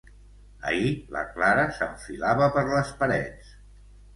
Ahir la Clara s'enfilava per les parets.